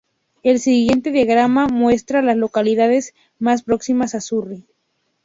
El siguiente diagrama muestra a las localidades más próximas a Surry.